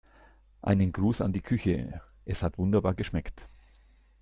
Einen Gruß an die Küche, es hat wunderbar geschmeckt.